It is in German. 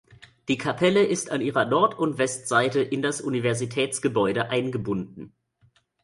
Die Kapelle ist an ihrer Nord- und Westseite in das Universitätsgebäude eingebunden.